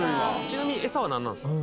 ちなみにエサはなんなんですか？